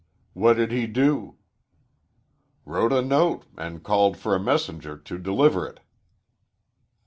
"What did he do?" "Wrote a note and called for a messenger to deliver it."